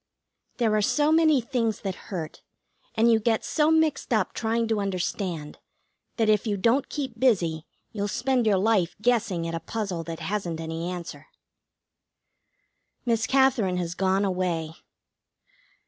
There are so many things that hurt, and you get so mixed up trying to understand, that if you don't keep busy you'll spend your life guessing at a puzzle that hasn't any answer. Miss Katherine has gone away.